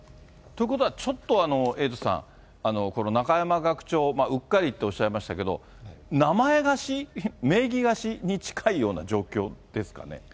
ということはちょっと、エイトさん、この中山学長、うっかりとおっしゃいましたけれども、名前貸し、名義貸しに近いような状況ですかね。